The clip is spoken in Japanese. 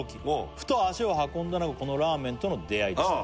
「ふと足を運んだのがこのラーメンとの出会いでした」